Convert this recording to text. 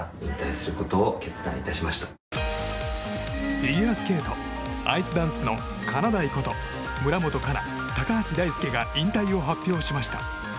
フィギュアスケートアイスダンスのかなだいこと村元哉中、高橋大輔が引退を発表しました。